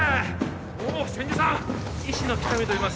おお千住さん医師の喜多見といいます